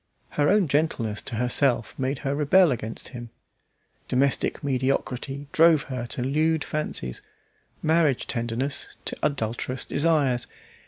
Her own gentleness to herself made her rebel against him. Domestic mediocrity drove her to lewd fancies, marriage tenderness to adulterous desires.